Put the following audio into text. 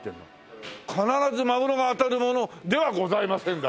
「必ずマグロが当たるものではございません」だ。